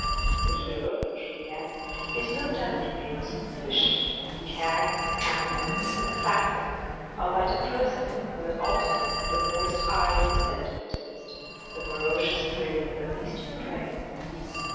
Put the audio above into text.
The hero, Julien, is no doubt, viewed superficially, a cad, a scoundrel, an assassin, albeit a person who will alternate the moist eye of the senti mentalist with the ferocious grin of the beast of prey.